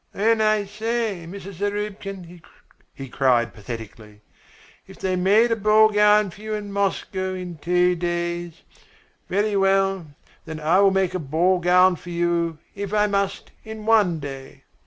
Then I say, Mrs. Zarubkin," he cried pathetically, "if they made a ball gown for you in Moscow in two days, very well, then I will make a ball gown for you, if I must, in one day.